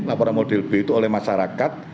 laporan model b itu oleh masyarakat